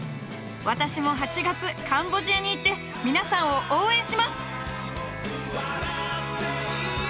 私も８月カンボジアに行って皆さんを応援します！